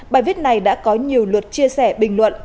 bài viết này đã có nhiều luật chia sẻ bình luận